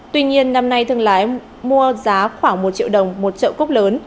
tuy nhiên năm nay thương lái mua giá khoảng một triệu đồng một trợ cốc lớn